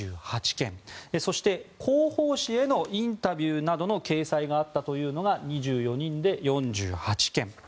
そして、広報誌へのインタビューなどの掲載があったというのが２４人で４８件。